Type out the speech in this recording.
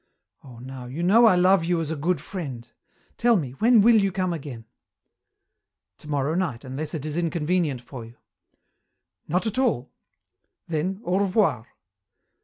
"Oh, now, you know I love you as a good friend. Tell me, when will you come again?" "Tomorrow night, unless it is inconvenient for you." "Not at all." "Then, au revoir."